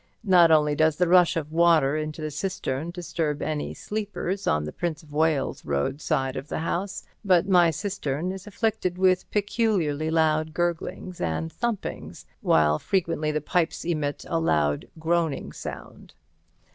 Not only does the rush of water into the cistern disturb any sleepers on the Prince of Wales Road side of the house, but my cistern is afflicted with peculiarly loud gurglings and thumpings, while frequently the pipes emit a loud groaning sound.